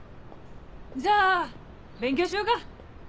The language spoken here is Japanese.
じゃあ勉強しようか。